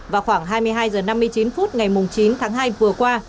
vào khoảng hai mươi hai h năm mươi chín phút ngày chín tháng hai vừa qua